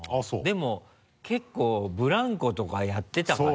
でも結構ブランコとかやってたから。